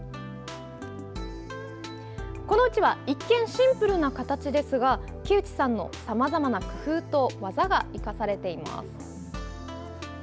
このうちわ一見シンプルな形ですが木内さんのさまざまな工夫と技が生かされています。